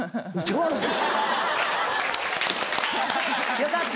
よかった！